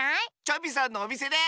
チョビさんのおみせで！